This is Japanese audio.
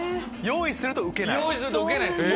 用意するとウケないです。